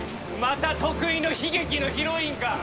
また得意の悲劇のヒロインか？